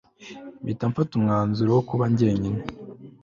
mpita mfata umwanzuro wo kuba njyenyine